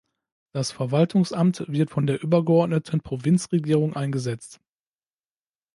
Das Verwaltungsamt wird von der übergeordneten Provinzregierung eingesetzt.